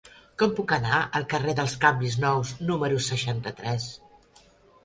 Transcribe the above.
Com puc anar al carrer dels Canvis Nous número seixanta-tres?